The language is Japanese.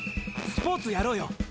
スポーツやろうよ。